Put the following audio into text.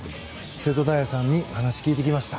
瀬戸大也さんにお話を聞いてきました。